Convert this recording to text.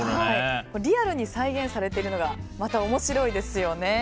リアルに再現されているのがまた面白いですよね。